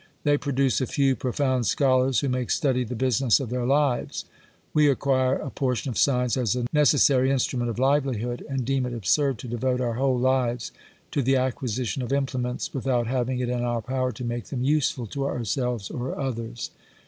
They produce a few profound scholars, who make study the business of their lives ; we acquire a portion of science, as a necessary instrument of livelihood, and deem it absurd to devote our wliole lives to the acquisition of implements, with out having it in our power to make them useful to ourselves or others.